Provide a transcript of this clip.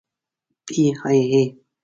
پی ای اې.